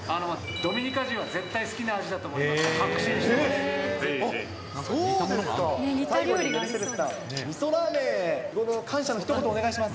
ドミニカ人は絶対に好きな味だと思います。